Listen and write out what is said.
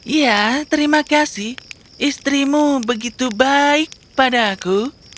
ya terima kasih istrimu begitu baik pada aku